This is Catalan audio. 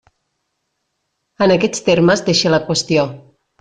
En aquests termes deixe la qüestió.